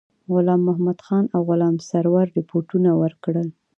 غلام محمدخان او غلام سرور رپوټونه ورکړل.